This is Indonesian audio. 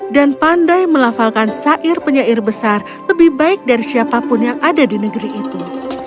dan pandai melafalkan sair penyair besar lebih baik dari siapapun yang ada di negeri itu